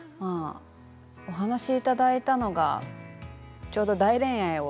お話をいただいたのがちょうど「大恋愛」を